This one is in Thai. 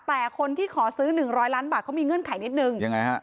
แต่คนที่ขอซื้อหนึ่งร้อยล้านบาทเขามีเงื่อนไขนิดนึงยังไงฮะ